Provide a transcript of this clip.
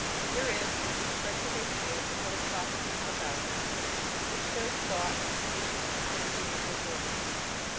There is, if the expression may be used, a philosophic look about him, which shows thought, patience, energy, and vigilance.